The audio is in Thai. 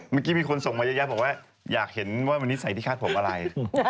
เมื่อกี้มีคนส่งมาเยอะแยะบอกว่าอยากเห็นว่าวันนี้ใส่ที่คาดผมอะไร